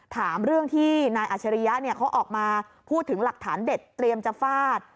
ถามเรื่องที่นายอัชริยะเขาออกมาพูดถึงหลักฐานเด็ดเตรียมจะฟาด